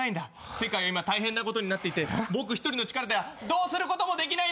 世界は今大変なことになってて僕一人の力ではどうすることもできないんだ。